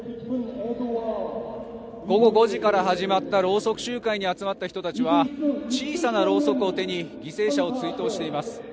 午後５時から始まったろうそく集会に集まった人たちは小さなろうそくを手に犠牲者を追悼しています。